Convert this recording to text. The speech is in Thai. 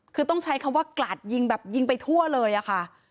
คือต้องใช้คำว่ากลาดยิงแบบยิงไปทั่วเลยอะค่ะ